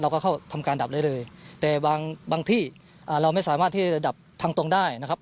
เราก็เข้าทำการดับเรื่อยแต่บางบางที่อ่าเราไม่สามารถที่จะดับทั้งตรงได้นะครับ